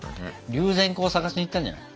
龍涎香探しに行ったんじゃない？